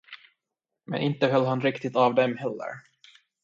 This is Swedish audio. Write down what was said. Men inte höll han riktigt av dem heller.